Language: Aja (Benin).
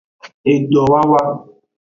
Edowawa.